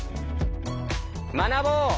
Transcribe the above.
学ぼう！